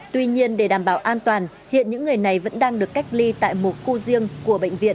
tuy nhiên để đảm bảo an toàn hiện những người này vẫn đang được cách ly tại một khu riêng của bệnh viện